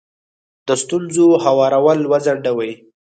د ستونزو هوارول وځنډوئ.